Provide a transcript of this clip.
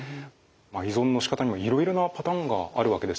依存のしかたにもいろいろなパターンがあるわけですね。